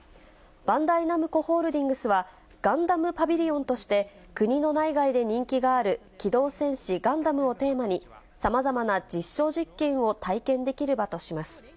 バンダイナムコホールディングスは、ガンダムパビリオンとして国の内外で人気がある、機動戦士ガンダムをテーマに、さまざまな実証実験を体験できる場とします。